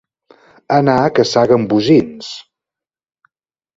Anar a caçar gambosins.